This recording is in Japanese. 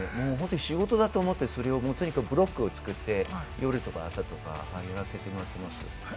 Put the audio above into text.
仕事だと思って、それをブロックを作って夜とか朝とかやらせてもらってます。